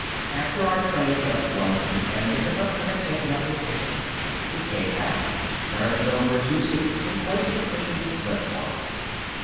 After our train left London and the Conductor had taken up his tickets, he came back, turned over two seats and placed the cushions lengthwise.